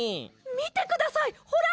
みてくださいほら！